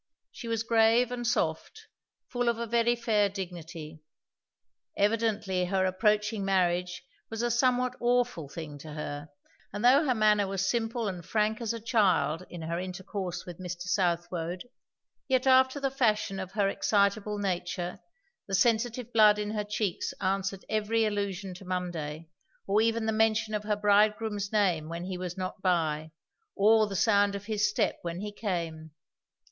She was grave and soft, full of a very fair dignity; evidently her approaching marriage was a somewhat awful thing to her; and though her manner was simple and frank as a child in her intercourse with Mr. Southwode, yet after the fashion of her excitable nature the sensitive blood in her cheeks answered every allusion to Monday, or even the mention of her bridegroom's name when he was not by, or the sound of his step when he came.